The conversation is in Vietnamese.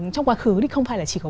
trong quá khứ thì không phải là chỉ có